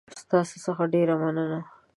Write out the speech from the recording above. ستاسو څخه ډېره مننه